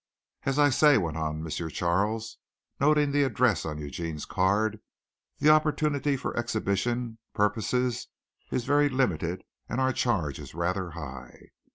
"As I say," went on M. Charles, noting the address on Eugene's card, "the opportunity for exhibition purposes is very limited and our charge is rather high.